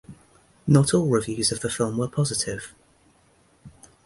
Not all reviews of the film were positive.